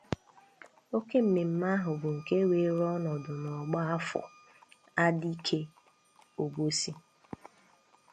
Oke mmemme ahụ bụ nke weere ọnọdụ n'ọgbọ Afọr Adike Obosi